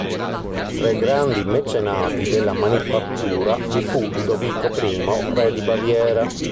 Tra i grandi mecenati della manifattura vi fu Ludovico I Re di Baviera.